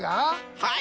はい。